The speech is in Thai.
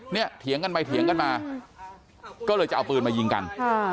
เถียงกันไปเถียงกันมาก็เลยจะเอาปืนมายิงกัน